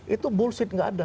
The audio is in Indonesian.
itu bullshit gak ada